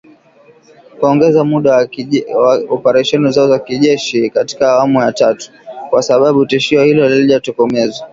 kuongeza muda wa operesheni zao za kijeshi katika awamu ya tatu, kwa sababu tishio hilo halijatokomezwa